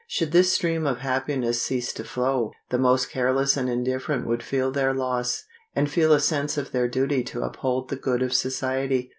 Should this stream of happiness cease to flow, the most careless and indifferent would feel their loss, and feel a sense of their duty to uphold the good of society.